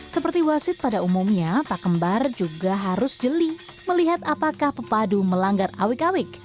seperti wasit pada umumnya pak kembar juga harus jeli melihat apakah pepadu melanggar awik awik